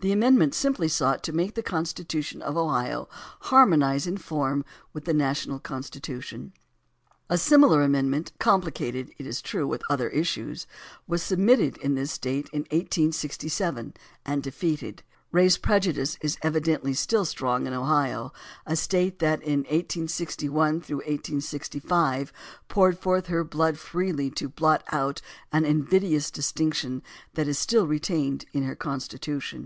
The amendment simply sought to make the Constitution of Ohio harmonize in form with the national Constitution. A similar amendment, com pUcated, it is true, with other issues, was submitted in this State in 1867 and defeated. Race prejudice is evidently still strong in Ohio, a State that in 1861 65 poured forth her blood freely to blot out an invidious distinction that is still retained in her Constitution.